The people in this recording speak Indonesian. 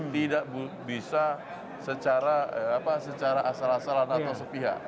tidak bisa secara asal asalan atau sepihak